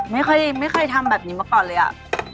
ไม่เคยไม่เคยทำแบบนี้มาก่อนเลยอ่ะ